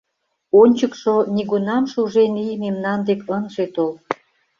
Ончыкшо нигунам шужен ий мемнан дек ынже тол.